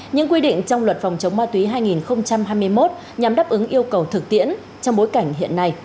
những quy định trong luật phòng chống ma túy hai nghìn hai mươi một nhằm đáp ứng yêu cầu thực tiễn trong bối cảnh hiện nay